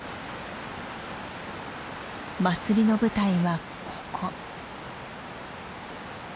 祭りの舞台はここ。